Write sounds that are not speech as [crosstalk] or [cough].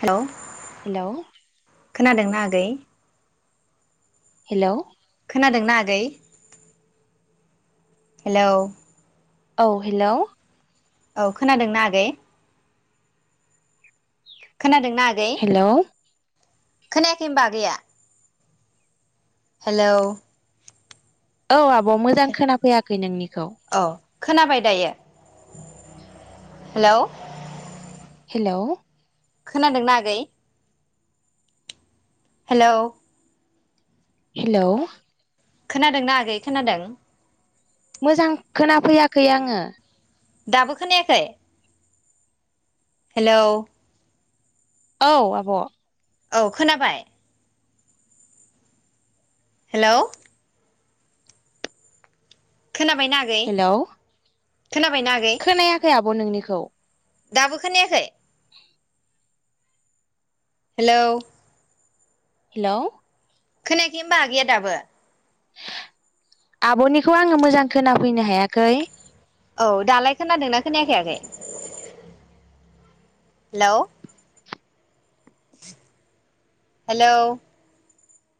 हेल' hello खोनादोंना आगै hello खोनादोंना आगै हेलौ औ हेल' औ खोनादोंना आगै खोनादोंना आगै हेल' खोनायाखै होनबा आगैया हेलौ औ आब' मोजां खोनाफैयाखै नोंनिखौ औ खोनाबाय दायो हेलौ हेलौ खोनादोंना आगै हेलौ हेलौ खोनादोंना आगै खोनादों मोजां खोना फैयाखै आङो दाबो खोनायाखै हेलौ औ आब' औ खोनाबाय हेलौ खोनाबायना आ हेलौ आगै खोनायाखै आब' नोंनिखौ दाबो खोनाखै [inaudible] हेलौ हेलौ खोनायाखै होनबा आगैया दाबो आब'निखौ आङो मोजां खोनाफैनो हायाखै औ दालाय खोनादोंना खोनायाखायाखै आगै हेलौ हेलौ